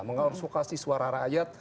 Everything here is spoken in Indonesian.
mengadvokasi suara rakyat